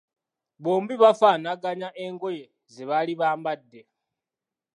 Bombi bafaanaganya engoye ze baali bambadde.